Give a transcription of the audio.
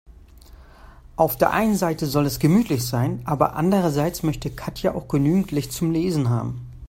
Auf der einen Seite soll es gemütlich sein, aber andererseits möchte Katja auch genügend Licht zum Lesen haben.